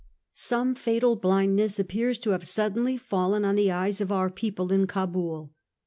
Some fatal blindness appears to have suddenly fallen on the eyes of our people in Cabul.